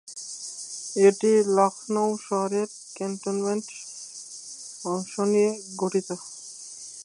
এটি লখনউ শহরের ক্যান্টনমেন্ট অংশ নিয়ে গঠিত।